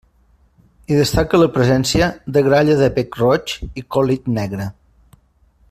Hi destaca la presència de gralla de bec roig i còlit negre.